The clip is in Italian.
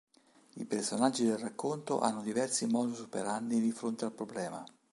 I personaggi del racconto hanno diversi modus operandi di fronte al problema.